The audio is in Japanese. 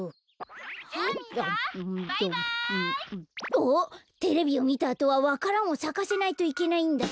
あっテレビをみたあとはわか蘭をさかせないといけないんだった。